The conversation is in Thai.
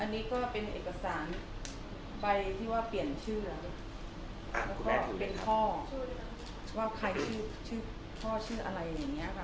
อันนี้ก็เป็นเอกสารใบที่ว่าเปลี่ยนชื่อแล้วก็เป็นพ่อว่าใครชื่อพ่อชื่ออะไรอย่างนี้ค่ะ